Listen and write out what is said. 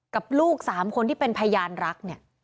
กับลูกสามคนที่เป็นพยานรัก